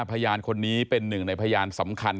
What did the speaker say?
พยานคนนี้เป็นหนึ่งในพยานสำคัญ